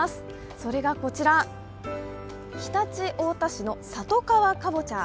それがこちら、常陸太田市の里川かぼちゃ。